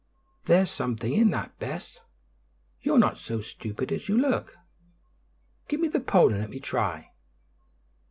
"There's something in that, Bess; you're not so stupid as you look. Give me the pole and let me try."